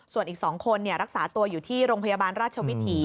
ส่วนอีก๒คนรักษาตัวอยู่ที่โรงพยาบาลราชวิถี